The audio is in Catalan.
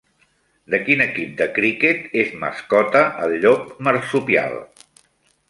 De quin equip de criquet és mascota el llop marsupial?